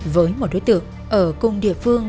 với một đối tượng ở cùng địa phương